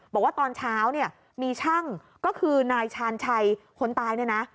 บอกว่าตอนเช้ามีช่างก็คือนายชาญชัยคนตายนะ